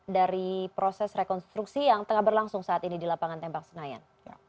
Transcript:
dari proses rekonstruksi yang tengah berlangsung saat ini di lapangan tembak senayan